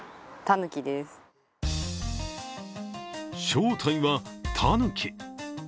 正体はたぬき。